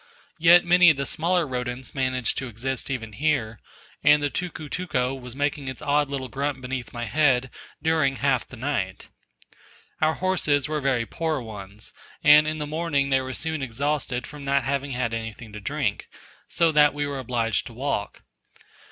Yet many of the smaller rodents managed to exist even here, and the tucutuco was making its odd little grunt beneath my head, during half the night. Our horses were very poor ones, and in the morning they were soon exhausted from not having had anything to drink, so that we were obliged to walk.